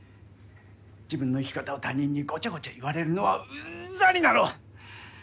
自分の生き方を他人にごちゃごちゃ言われるのはうんざりなの！